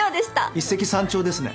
一石三鳥ですね。